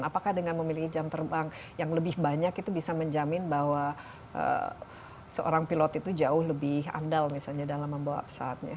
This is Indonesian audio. apakah dengan memiliki jam terbang yang lebih banyak itu bisa menjamin bahwa seorang pilot itu jauh lebih andal misalnya dalam membawa pesawatnya